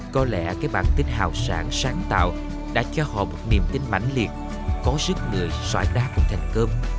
có lẽ cái bản tính hào sản sáng tạo đã cho họ một niềm tin mạnh liệt có sức người xoải đá cùng thành cơm